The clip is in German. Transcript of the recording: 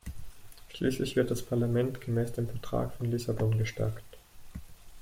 Schließlich wird das Parlament gemäß dem Vertrag von Lissabon gestärkt.